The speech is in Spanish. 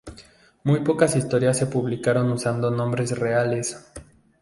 Muy pocas historias se publicaron usando nombres reales.